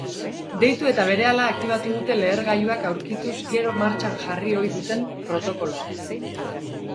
Deitu eta berehala aktibatu dute lehergailuak aurkituz gero martxan jarri ohi duten protokoloa.